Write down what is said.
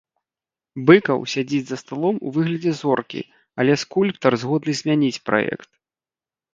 Быкаў сядзіць за сталом у выглядзе зоркі, але скульптар згодны змяніць праект.